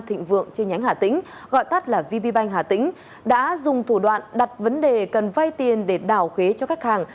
thịnh vượng trên nhánh hà tĩnh gọi tắt là vb bank hà tĩnh đã dùng thủ đoạn đặt vấn đề cần vay tiền để đảo khế cho khách hàng